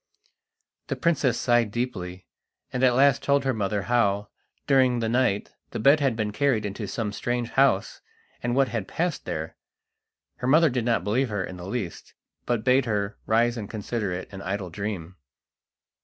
The princess sighed deeply, and at last told her mother how, during the night, the bed had been carried into some strange house, and what had passed there. Her mother did not believe her in the least, but bade her rise and consider it an idle dream.